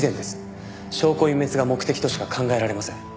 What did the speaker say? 証拠隠滅が目的としか考えられません。